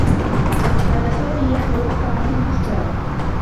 كان سامي يحفر حفرا في البستان.